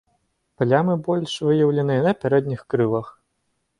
Плямы больш выяўленыя на пярэдніх крылах.